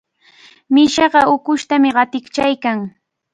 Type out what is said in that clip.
Mishiqa ukushtami qatiykachaykan.